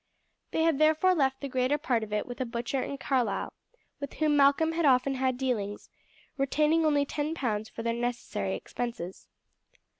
They had therefore left the greater part of it with a butcher in Carlisle, with whom Malcolm had often had dealings, retaining only ten pounds for their necessary expenses.